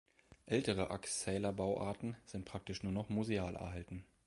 Ältere Achszähler-Bauarten sind praktisch nur noch museal erhalten.